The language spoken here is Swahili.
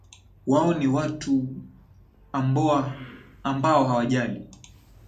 Wao ni watu amboa hawajali